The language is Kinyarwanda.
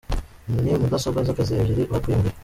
Ni mudasobwa z’akazi ebyiri bakuye mu biro.